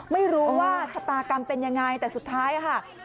ไม่รู้ว่าชะตากรรมเป็นยังไงแต่สุดท้ายค่ะ